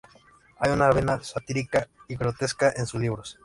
Hay una vena satírica y grotesca en sus libros.